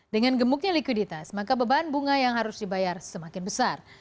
dengan gemuknya likuiditas maka beban bunga yang harus dibayar semakin besar